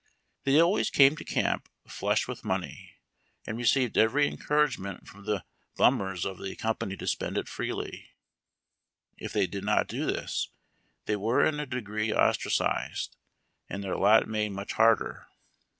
204 BAUD TACK AND COFFEE. The}^ always came to camp " flush "' witli money, and received every encouragement from the bummers of the company to spend it freely ; if they did not do this, they were in a degree ostracised, and their lot made much harder.